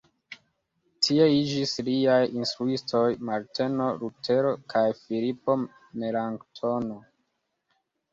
Tie iĝis liaj instruistoj Marteno Lutero kaj Filipo Melanktono.